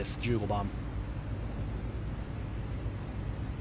１５番。